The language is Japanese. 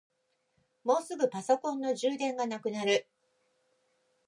もうすぐパソコンの充電がなくなる。